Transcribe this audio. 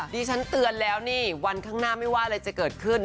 ดิฉันเตือนแล้วนี่วันข้างหน้าไม่ว่าอะไรจะเกิดขึ้น